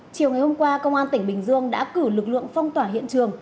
chiều ngày hôm qua công an tỉnh bình dương đã cử lực lượng phong tỏa hiện trường